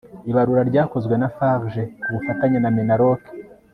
Ibarura ryakozwe na FARG ku bufatanye na MINALOC